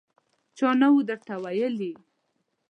_چا نه و درته ويلي!